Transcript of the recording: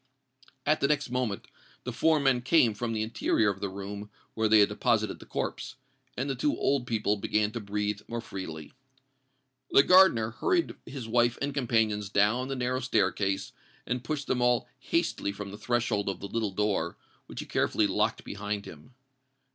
At the next moment the four men came from the interior of the room where they had deposited the corpse; and the two old people began to breathe more freely. The gardener hurried his wife and companions down the narrow staircase, and pushed them all hastily from the threshold of the little door, which he carefully locked behind him.